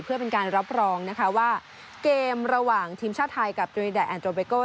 เพื่อเป็นการรับรองนะคะว่าเกมระหว่างทีมชาติไทยกับดรีดาแอนโตเบโก้